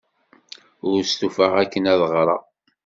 Ur stufaɣ akken ad ɣreɣ.